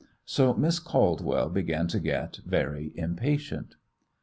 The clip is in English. So Miss Caldwell began to get very impatient.